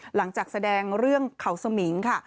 หลังจากแสดงเรื่องเขาสมิงค่ะ